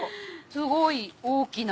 すごい大きな。